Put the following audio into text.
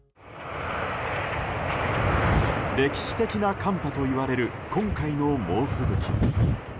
歴史的な寒波といわれる今回の猛吹雪。